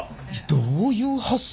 どういう発想？